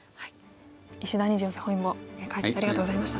石田二十四世本因坊解説ありがとうございました。